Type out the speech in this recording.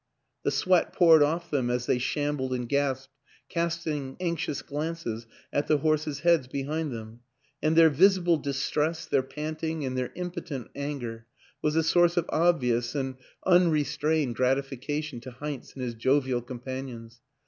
The sweat poured off them as they shambled and gasped, casting anxious glances at the horses' heads behind them; and their visible distress, their panting and their im potent anger, was a source of obvious and unre strained gratification to Heinz and his jovial com panions.